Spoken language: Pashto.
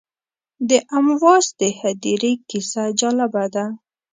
د امواس د هدیرې کیسه جالبه ده.